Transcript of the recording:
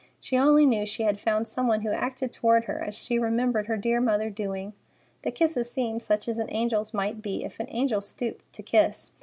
She only knew she had found some one who acted toward her as she remembered her dear mother doing. The kisses seemed such as an angel's might be, if an angel stooped to kiss.